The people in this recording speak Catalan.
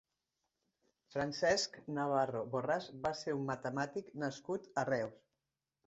Francesc Navarro Borràs va ser un matemàtic nascut a Reus.